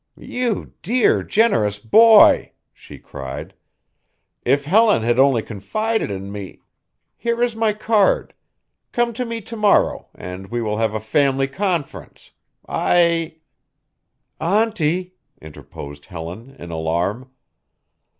"You dear, generous boy," she cried; "if Helen had only confided in me here is my card; come to me to morrow and we will have a family conference. I" "Auntie," interposed Helen in alarm.